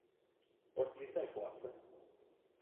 What do you think, Watson?